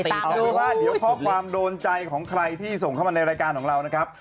เอาเป็นว่าเดี๋ยวข้อความโดนใจของใครที่ส่งเข้ามาในรายการของเรานะครับ